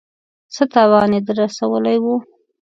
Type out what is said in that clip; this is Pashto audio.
څه تاوان يې در رسولی و.